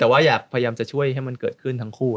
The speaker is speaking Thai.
แต่ว่าอยากพยายามจะช่วยให้มันเกิดขึ้นทั้งคู่